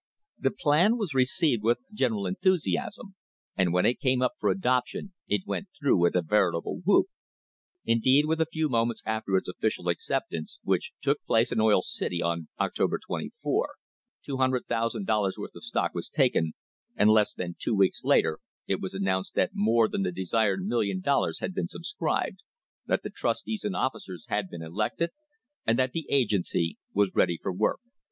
The plan was received with general enthusiasm, and when it came up for adoption it went through with a veritable whoop. Indeed, within a few moments after its official acceptance, which took place in Oil City on October 24, $200,000 worth of stock was taken, and less than two weeks later it was announced that more than the desired million dollars had been subscribed, that the trustees and officers had been elected, and that the agency was ready for work.